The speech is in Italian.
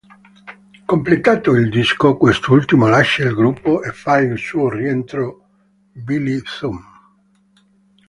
Completato il disco quest'ultimo lascia il gruppo e fa il suo rientro Billy Zoom.